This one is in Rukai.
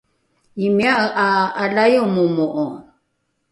imia’e ’a ’aolaimo’o